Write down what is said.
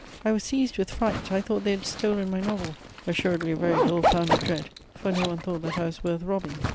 I was seized with fright: I thought they had stolen my novel, assuredly a very ill founded dread, for no one thought that I was worth robbing.